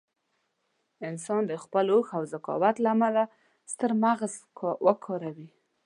انسانان د خپل هوښ او ذکاوت له امله ستر مغز وکاروه.